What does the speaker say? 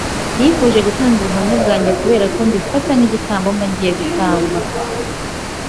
nifuje gutanga ubuhamya bwanjye kubera ko mbifata nk’igitambo mba ngiye gutamba,